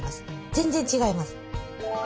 全然違います。